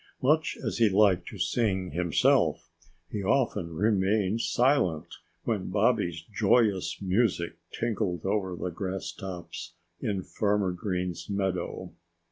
Much as he liked to sing himself, he often remained silent when Bobby's joyous music tinkled over the grass tops in Farmer Green's meadow.